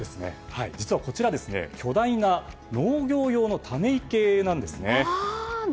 実は、巨大な農業用のため池なんですね。